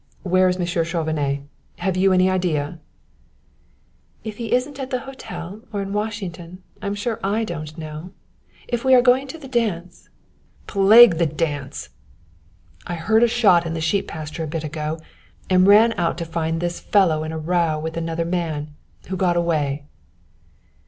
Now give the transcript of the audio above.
"Where is Monsieur Chauvenet have you any idea?" "If he isn't at the hotel or in Washington, I'm sure I don't know. If we are going to the dance " "Plague the dance! I heard a shot in the sheep pasture a bit ago and ran out to find this fellow in a row with another man, who got away."